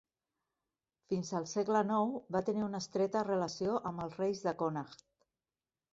Fins al segle nou va tenir una estreta relació amb els reis de Connacht.